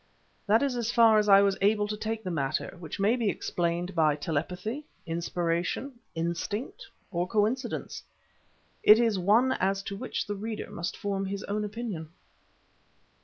That is as far as I was able to take the matter, which may be explained by telepathy, inspiration, instinct, or coincidence. It is one as to which the reader must form his own opinion.